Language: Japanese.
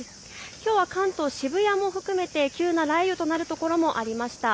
きょうは関東、渋谷も含めて急な雷雨となる所もありました。